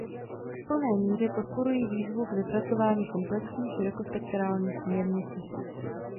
V plné míře podporuji výzvu k vypracování komplexní, širokospektrální směrnice.